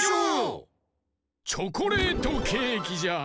チョコレートケーキじゃ。